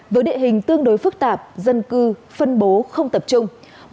với địa hình tương đối phức tạp dân cư phân bố không tập trung